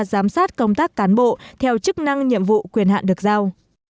giám sát công tác cán bộ theo chức năng nhiệm vụ quyền hạn được giao